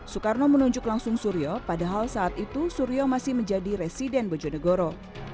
soekarno menunjuk langsung suryo padahal saat itu suryo masih menjadi residen bojonegoro